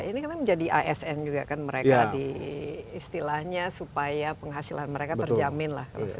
ini kan menjadi asn juga kan mereka di istilahnya supaya penghasilan mereka terjamin lah